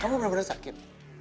kamu bener bener sakit